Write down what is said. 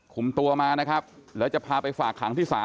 คุมตัวมานะครับแล้วจะพาไปฝากขังที่ศาล